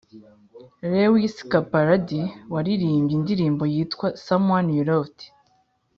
lewis capaldi waririmbye indirimbo yitwa someone you loved